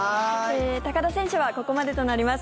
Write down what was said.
高田選手はここまでとなります。